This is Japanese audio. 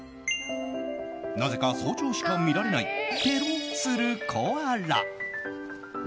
なぜか早朝しか見られないぺロするコアラ。